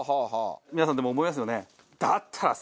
皆さんでも思いますよね。